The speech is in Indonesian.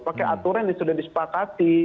pakai aturan yang sudah disepakati